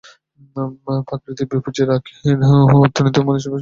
প্রকৃতির বিপর্যয় আখেরে অর্থনীতি ও মানুষের জীবনধারণ, দুটোকেই কঠিন করে তোলে।